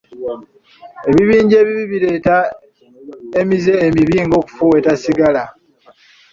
Ebibinja ebibi bireeta emize emibi nga okufuweeta sigala.